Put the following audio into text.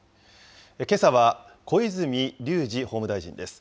けさは小泉龍司法務大臣です。